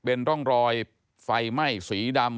เป็นร่องรอยไฟไหม้สีดำ